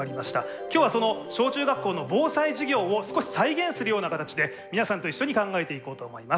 今日はその小中学校の防災授業を少し再現するような形で皆さんと一緒に考えていこうと思います。